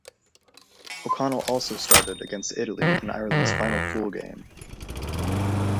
O'Connell also started against Italy in Ireland's final pool game.